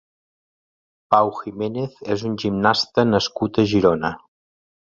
Pau Jiménez és un gimnasta nascut a Girona.